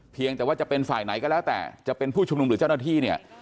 เพียงแต่ว่าจะเป็นฝ่ายไหนก็แล้วแต่จะเป็นผู้ชุมนุมหรือเจ้าหน้าที่เนี่ย